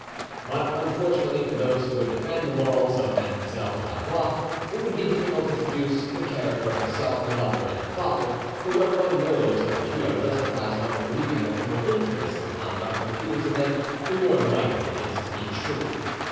But unfortunately for those who would defend the morals of Mademoiselle de Valois, it would be difficult to traduce the character of herself, her lover, and her father, for what one knows of the trio justifies one in believing that the more infamous the conduct imputed to them, the more likely it is to be true.